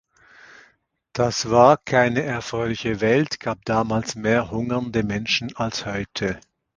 Das war keine erfreuliche Welt gab damals mehr hungernde Menschen als heute.